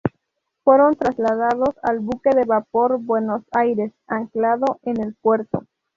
Fueron trasladados al buque de vapor "Buenos Aires", anclado en el puerto.